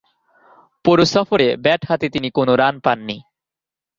পুরো সফরে ব্যাট হাতে তিনি কোন রান পাননি।